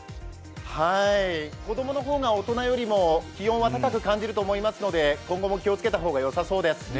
子供の方が大人よりも気温は高く感じると思いますので今後も気をつけた方がよさそうです。